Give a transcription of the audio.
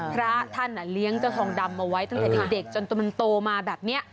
พระท่านเลี้ยงเจ้าทองดำเอาไว้ตั้งแต่เด็กจนมันโตมาแบบนี้